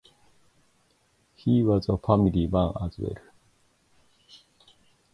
He was a family man as well.